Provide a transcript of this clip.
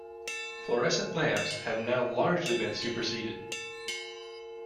Fluorescent lamps have now largely been superseded